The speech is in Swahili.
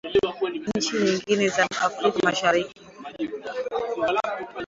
nchi nyingine za Afrika Mashariki